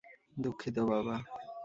দুঃখিত, বাবা!